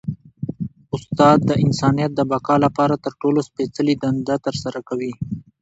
استاد د انسانیت د بقا لپاره تر ټولو سپيڅلي دنده ترسره کوي.